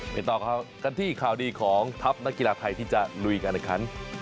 ไม่ต้องครับกันที่ข่าวดีของทัพนักกีฬาไทยที่จะลุยกันนะครับ